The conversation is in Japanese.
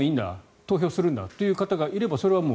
投票するんだという人がいてもそれはもう。